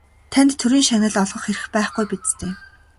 Танд Төрийн шагнал олгох эрх байхгүй биз дээ?